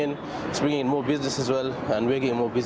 untuk membawa lebih banyak bisnis dan kita menjadi lebih sibuk